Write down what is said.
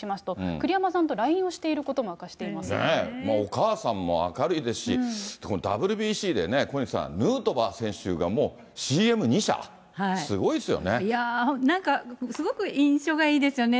栗山さんとＬＩＮＥをしているこお母さんも明るいですし、ＷＢＣでね、小西さん、ヌートバー選手がもうＣＭ２社、すごいですいやー、なんかすごく印象がいいですよね。